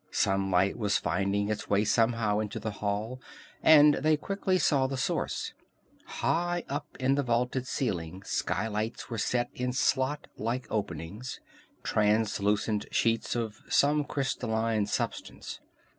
Sunlight was finding its way somehow into the hall, and they quickly saw the source. High up in the vaulted ceiling skylights were set in slot like openings translucent sheets of some crystalline substance.